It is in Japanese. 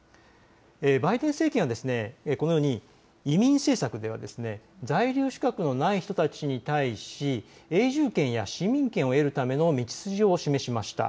バイデン政権はこのように移民政策では在留資格のない人たちに対し永住権や市民権を得るための道筋を示しました。